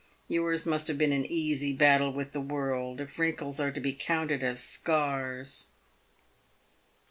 Tours must have been an easy battle with the world, if wrinkles are to be counted as scars."